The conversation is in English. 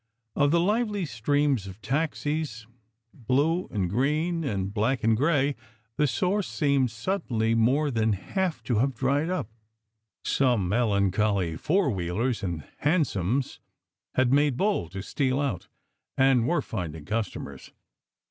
Of the lively streams of taxis, blue and green and black and gray, the source seemed suddenly more than half to have dried up. Some melan choly four wheelers and hansoms had made bold to steal out, and were finding customers.